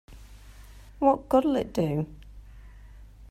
What good'll it do?